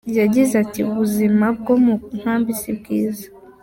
Yagize ati "Ubuzima bwo mu nkambi si bwiza.